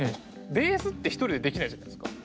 ベースって一人じゃできないじゃないですか。